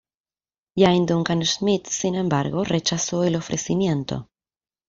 Iain Duncan Smith, sin embargo, rechazó el ofrecimiento.